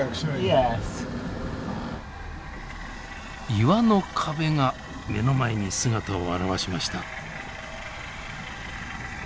岩の壁が目の前に姿を現しました。